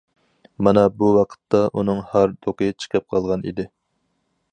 مانا بۇ ۋاقىتتا ئۇنىڭ ھاردۇقى چىقىپ قالغان ئىدى.